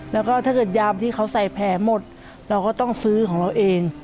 แล้วก็ถ้าเกิดยามที่เขาใส่แผลหมดเราก็ต้องซื้อของเราเอง